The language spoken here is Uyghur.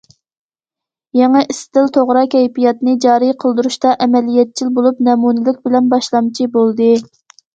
يېڭى ئىستىل، توغرا كەيپىياتنى جارى قىلدۇرۇشتا ئەمەلىيەتچىل بولۇپ، نەمۇنىلىك بىلەن باشلامچى بولدى.